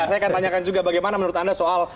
saya akan tanyakan juga bagaimana menurut anda soal